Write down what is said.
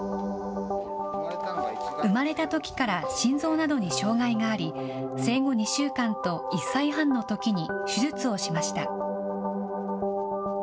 生まれたときから心臓などに障害があり、生後２週間と１歳半のときに手術をしました。